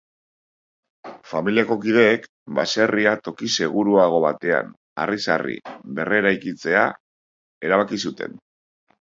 Familiako kideek baserria toki seguruago batean harriz harri berreraikitzea erabaki zuten.